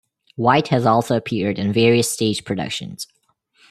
White has also appeared in various stage productions.